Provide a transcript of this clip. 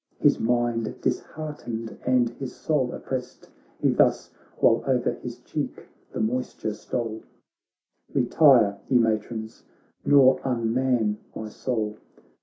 His mind disheartened and his soul op prest. He thus— while o'er his cheek the moisture stole :' Retire, ye matrons, nor unman mysoul